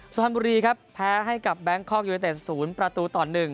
สุพรรณบุรีครับแพ้ให้กับแบงคอกยูเนเต็ด๐ประตูต่อ๑